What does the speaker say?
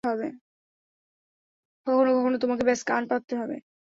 কখনো কখনো, তোমাকে ব্যস কান পাততে হবে।